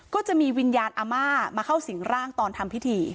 ก็จะมีวิญญาณอาม่ามาเข้าสิ่งร่างตอนทำพิธี